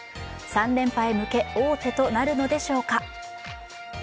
３連覇へ向け王手となるのでしょうか。